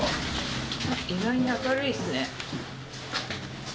意外に明るいっすね